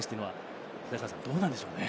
どうなんでしょうね？